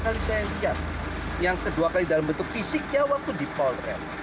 ketika saya lihat yang kedua kali dalam bentuk fisik dia waktu dipol